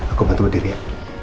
aku bantu berdiri ya